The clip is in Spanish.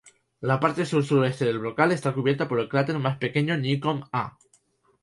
La parte sur-suroeste del brocal está cubierta por el cráter más pequeño "Newcomb A".